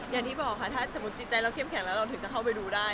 อย่างที่บอกค่ะถ้าสมมุติจิตใจเราเข้มแข็งแล้วเราถึงจะเข้าไปดูได้